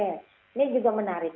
ini juga menarik